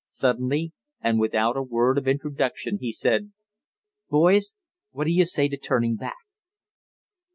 Suddenly, and without a word of introduction, he said: "Boys, what do you say to turning back?"